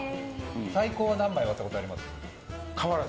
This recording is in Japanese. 最高何枚割ったことあります？